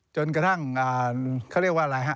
จนกระทั่งเขาเรียกว่าอะไรฮะ